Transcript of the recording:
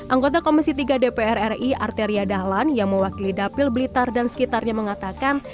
anggota komisi tiga dpr ri arteria dahlan yang mewakili dapil blitar dan sekitarnya mengatakan